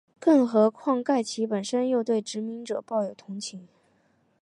更何况盖奇本身又对殖民者抱有同情。